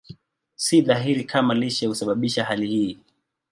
Si dhahiri kama lishe husababisha hali hii.